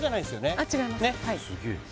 ・あっ違います